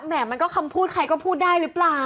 มันก็คำพูดใครก็พูดได้หรือเปล่า